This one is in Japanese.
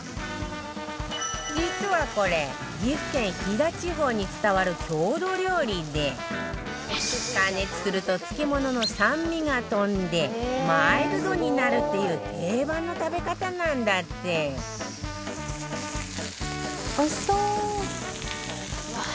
実はこれ岐阜県飛騨地方に伝わる郷土料理で加熱すると漬物の酸味が飛んでマイルドになるっていう定番の食べ方なんだってうわー！